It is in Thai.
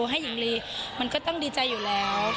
ให้หญิงลีมันก็ต้องดีใจอยู่แล้ว